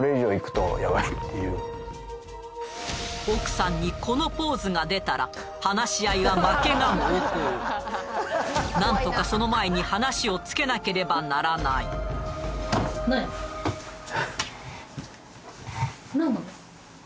奥さんにこのポーズが出たら話し合いは負けが濃厚なんとかその前に話をつけなければならない何？